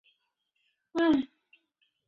曾是美国航空和美鹰航空的枢杻港。